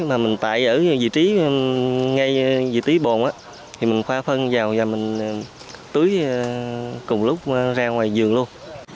mà mình tại ở vị trí ngay vị trí bồn thì mình khoa phân vào và mình tưới cùng lúc ra ngoài giường luôn